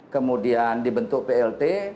kemudian dibentuk plt